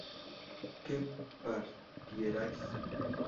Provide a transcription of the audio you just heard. ¿que partierais?